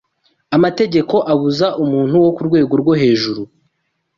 Amategeko abuza umuntu wo ku rwego rwo hejuru